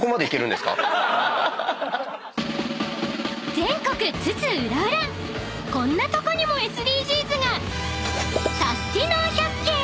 ［全国津々浦々こんなとこにもＳＤＧｓが！］